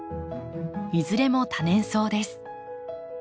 いずれも多年草です。